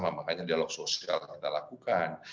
makanya dialog sosial kita lakukan